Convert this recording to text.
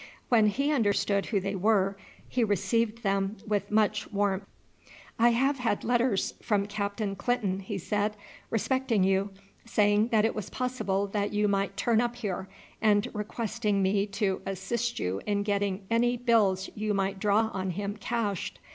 When he understood who they were he received them with much warmth. "I have had letters from Captain Clinton," he said, "respecting you; saying that it was possible that you might turn up here, and requesting me to assist you in getting any bills you might draw on him cashed.